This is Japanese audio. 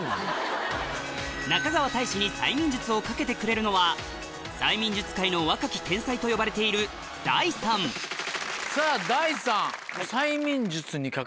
中川大志に催眠術をかけてくれるのは催眠術界の若き天才と呼ばれているＤａｉさんさぁＤａｉさん。